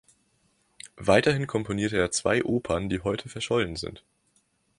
Weiterhin komponierte er zwei Opern, die heute verschollen sind.